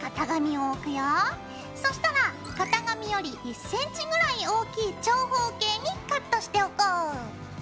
そしたら型紙より１ｃｍぐらい大きい長方形にカットしておこう。